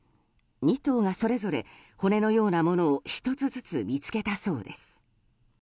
２頭がそれぞれ骨のようなものを１つずつ見つけたそうです。